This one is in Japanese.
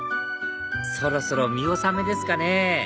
そろそろ見納めですかね